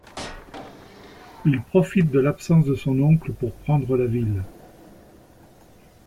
Il profite de l'absence de son oncle pour prendre la ville.